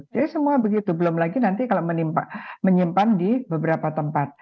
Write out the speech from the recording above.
jadi semua begitu belum lagi nanti kalau menyimpan di beberapa tempat